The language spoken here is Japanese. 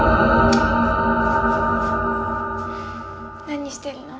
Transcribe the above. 何してるの？